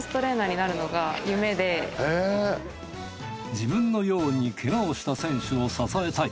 自分のようにケガをした選手を支えたい。